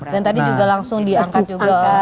dan tadi juga langsung diangkat juga